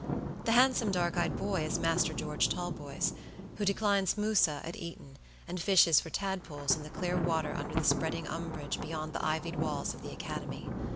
The handsome dark eyed boy is Master George Talboys, who declines musa at Eton, and fishes for tadpoles in the clear water under the spreading umbrage beyond the ivied walls of the academy.